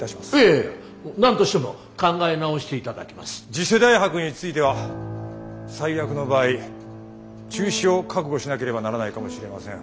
次世代博については最悪の場合中止を覚悟しなければならないかもしれません。